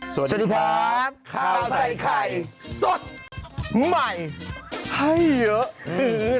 สวัสดีครับข้าวใส่ไข่สดใหม่ให้เยอะ